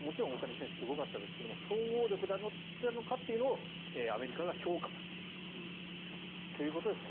もちろん大谷選手すごかったですけれども総合力で勝ったというのをアメリカが評価しているということですよね。